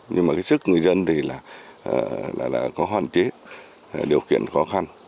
nhưng mà cái sức người dân thì là có hoàn chế điều kiện khó khăn